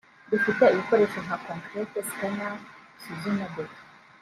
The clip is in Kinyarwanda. Dufite ibikoresho nka concrete scanner bisuzuma beto